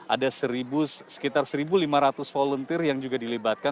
ada sekitar satu lima ratus volunteer yang juga dilibatkan termasuk kota yang terlibat di indonesia